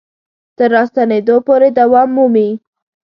تر راستنېدو پورې دوام مومي.